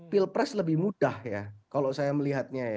pilpres lebih mudah ya kalau saya melihatnya ya